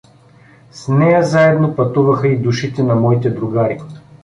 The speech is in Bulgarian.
С нея заедно пътуваха и душите на моите другари!